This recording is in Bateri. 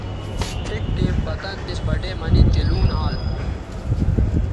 پِھک ٹیم پتَن تِس بٹے مہ نِن چہء لوں نھال